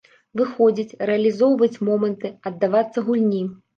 Выходзіць, рэалізоўваць моманты, аддавацца гульні.